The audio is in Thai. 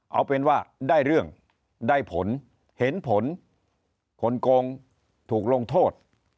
เอาเป็นว่าได้เรื่องได้ผลเห็นผลคนโกงถูกลงโทษ